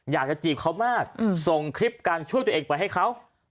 จีบเขามากส่งคลิปการช่วยตัวเองไปให้เขา